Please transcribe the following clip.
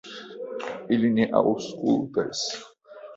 Ili ne aŭskultas.